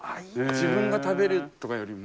自分が食べるとかよりも。